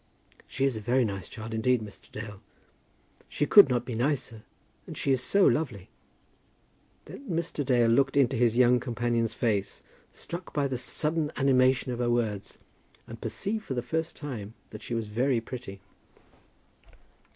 "She is a very nice child, indeed, Mr. Dale. She could not be nicer. And she is so lovely." Then Mr. Dale looked into his young companion's face, struck by the sudden animation of her words, and perceived for the first time that she was very pretty.